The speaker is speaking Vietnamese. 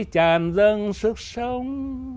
tràn dâng sức sống